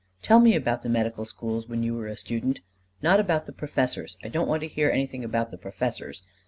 "Tell me about the medical schools when you were a student. Not about the professors. I don't want to hear anything about the professors.